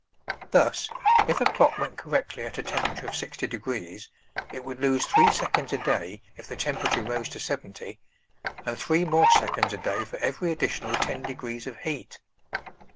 Thus, if a clock went correctly at a temperature of sixty degrees, it would lose three seconds a day if the temperature rose to seventy, and three more seconds a day for every additional ten degrees of heat.